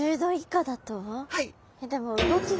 はい。